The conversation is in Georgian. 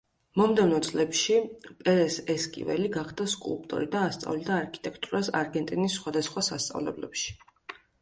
მომდევნო წლებში პერეს ესკიველი გახდა სკულპტორი და ასწავლიდა არქიტექტურას არგენტინის სხვადასხვა სასწავლებლებში.